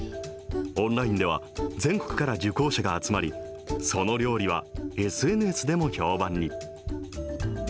オンラインでは全国から受講者が集まり、その料理はＳＮＳでも評判に。